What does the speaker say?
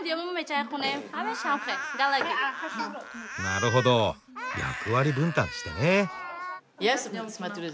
なるほど役割分担してね。